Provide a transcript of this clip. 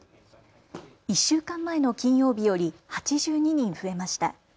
１週間前の金曜日より８２人増えました。